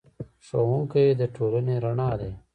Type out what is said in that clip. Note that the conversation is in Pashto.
ښوونکی د ټولنې رڼا دی.